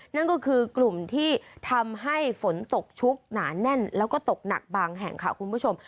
นั่นก็คือกลุ่มที่ทำให้ฝนตกชุกหนาแน่นแล้วก็ตกหนักบางแห่งค่ะคุณผู้ชม